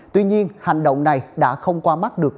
tuy nhiên hành động này đã không qua mắt được